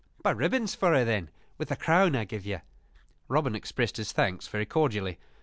Buy ribbons for her, then, with the crown I give you." Robin expressed his thanks very cordially.